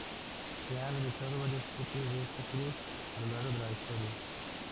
Se han realizado varias copias de esta cruz a lo largo de la historia.